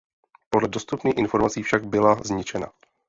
Podle dostupných informací však byla zničena.